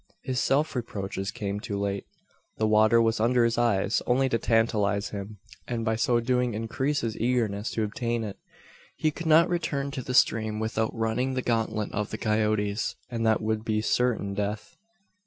His self reproaches came too late. The water was under his eyes, only to tantalise him; and by so doing increase his eagerness to obtain it. He could not return to the stream, without running the gauntlet of the coyotes, and that would be certain death.